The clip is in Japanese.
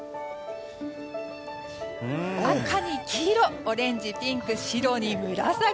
赤に黄色、オレンジピンク、白に紫。